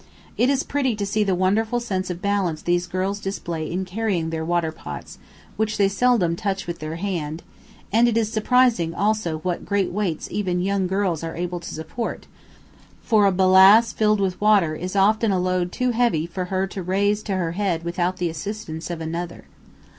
It is pretty to see the wonderful sense of balance these girls display in carrying their water pots, which they seldom touch with their hand, and it is surprising also what great weights even young girls are able to support, for a "balass" filled with water is often a load too heavy for her to raise to her head without the assistance of another.